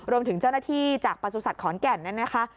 รวมถึงเจ้าหน้าที่จากประสุทธิ์ขอนแก่นนั้นนะคะ